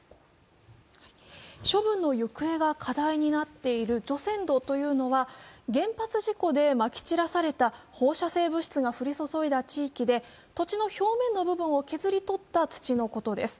処分の行方が課題になっている除染土というのは原発事故でまき散らされた放射性物質が降り注いだ地域で土地の表面の部分を削り取った土のことです。